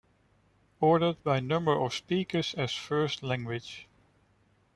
Ordered by number of speakers as first language.